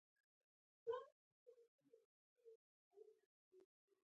زده کوونکي دې لاندې لغتونه معنا او استعمال کړي.